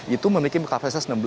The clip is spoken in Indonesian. itu memiliki kapasitas enam belas